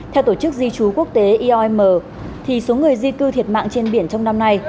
theo tổ chức di trú quốc tế iom số người di cư thiệt mạng trên biển trong năm nay